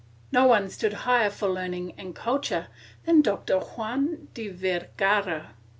No man stood higher for learning and culture than Doctor Juan de Vergara.